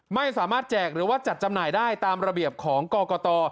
ไม่สามารถแจกหรือว่าจัดจำหน่ายได้ตามระเบียบของกรกต